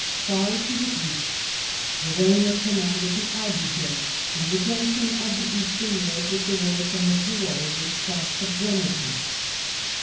Far to the east, Verona commanded the Adige and the junction of the eastern road with the road from the Tyrol which crossed the Brenner Pass.